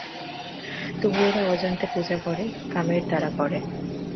তবু এরা অজান্তে পূজা করে, কামের দ্বারা করে।